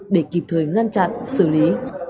để kịp thời ngăn chặn xử lý